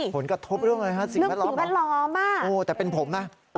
ผลกระทบเรื่องอะไรฮะสิ่งแวดล้อมเหรอโอ้แต่เป็นผมนะโอ้